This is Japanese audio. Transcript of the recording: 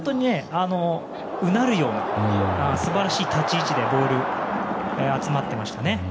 うなるような素晴らしい立ち位置でボール集まってました。